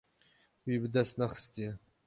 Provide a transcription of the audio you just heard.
Wî bi dest nexistiye.